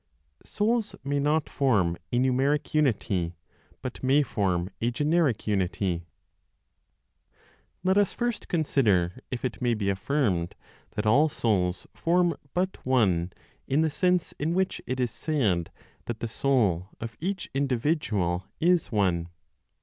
SOULS MAY NOT FORM A NUMERIC UNITY, BUT MAY FORM A GENERIC UNITY. Let us first consider if it may be affirmed that all souls form but one in the sense in which it is said that the soul of each individual is one.